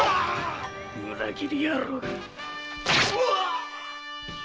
裏切り野郎が！